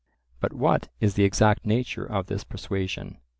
But what is the exact nature of this persuasion?